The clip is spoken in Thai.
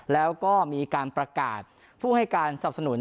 แล้วก็มีการประกาศผู้ให้การสนับสนุน